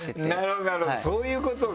なるほどそういうことね。